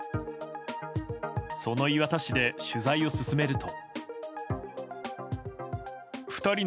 その磐田市で取材を進めると。